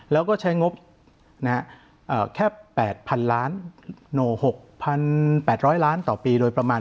แล้วก็ใช้งบแค่๘๐๐๐ล้านโหน๖๘๐๐ล้านต่อปีโดยประมาณ